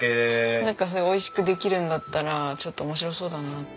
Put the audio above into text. なんか美味しくできるんだったらちょっと面白そうだな。